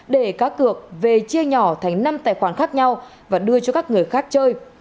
để cá cược về chia nhỏ thành năm tài khoản khác nhau và đưa cho các người khác chơi